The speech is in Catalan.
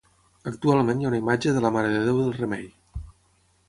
Actualment hi ha una imatge de la Marededéu del Remei.